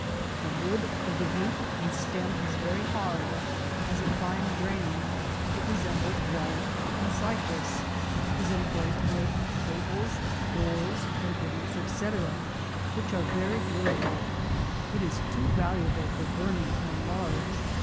The wood of the root and stem is very hard, and has a fine grain ,• it re sembles VS^alnut and Cypress, is employed to make ta bles, doors, implements, &c. which are very durable j it is too valuable for burning when large.